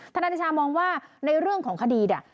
นาฬิชามองว่าในเรื่องของคดีเนี่ย